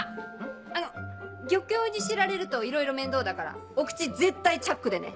あの漁協に知られるといろいろ面倒だからお口絶対チャックでね。